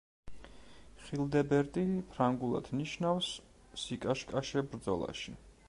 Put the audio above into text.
ხილდებერტი ფრანგულად ნიშნავს: „სიკაშკაშე ბრძოლაში“.